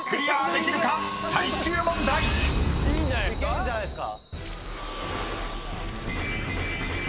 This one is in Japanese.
いけるんじゃないっすか？